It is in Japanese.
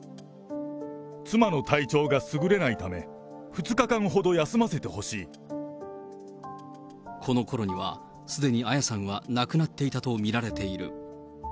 妻の体調がすぐれないため、このころには、すでに彩さんは亡くなっていたと見られている。